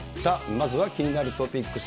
まずは気になるトピックス。